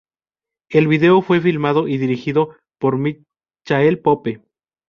El video fue filmado y dirigido por Michael Pope.